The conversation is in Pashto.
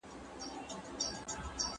چي یې شور په شاوخوا کي وو جوړ کړی